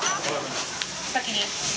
先に。